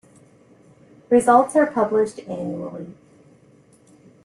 Results are published annually.